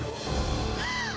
kamu sudah berubah